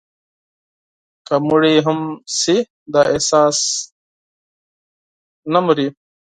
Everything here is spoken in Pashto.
که مړي هم شي، دا احساس نه مري»